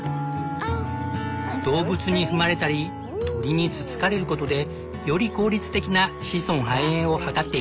動物に踏まれたり鳥につつかれることでより効率的な子孫繁栄を図っている。